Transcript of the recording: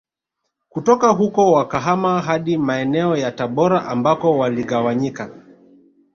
Kutoka huko wakahama hadi maeneo ya Tabora ambako waligawanyika